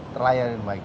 terlayan dengan baik